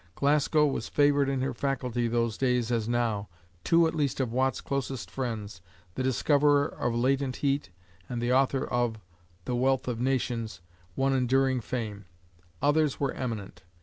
Glasgow was favored in her faculty those days as now. Two at least of Watt's closest friends, the discoverer of latent heat, and the author of the "Wealth of Nations," won enduring fame. Others were eminent.